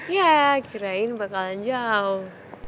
ya kirain bakalan jauh